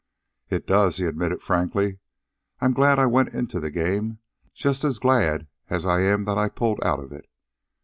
"It does," he admitted frankly. "I'm glad I went into the game just as glad as I am that I pulled out of it....